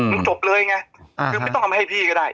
มันจบเลยไงคือไม่ต้องเอามาให้พี่ก็ได้